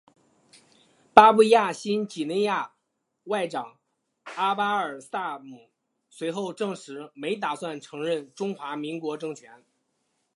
巴布亚新几内亚外长阿巴尔萨姆随后证实没打算承认中华民国政权。